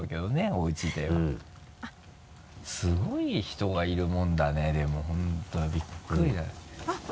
おうちではすごい人がいるもんだねでも本当びっくりだよね。